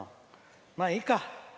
まあ、いいか。